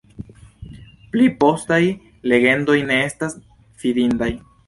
Pli postaj legendoj ne estas fidindaj.